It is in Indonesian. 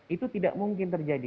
itu tidak mungkin terjadi